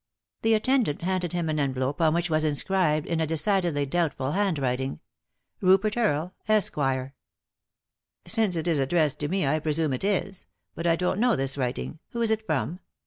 The attendant handed him an envelope on which was inscribed, in a decidedly doubtful handwriting, "Rupert Earle, Esq." " Since it is addressed to me, I presume it is. But I don't know this writing. Who's it from